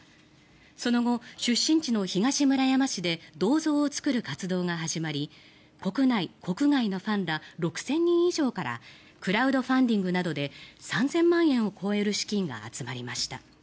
その後、出身地の東村山市で銅像を作る活動が始まり国内・国外のファンら６０００人以上からクラウドファンディングなどで３０００万円を超える資金が集まりました。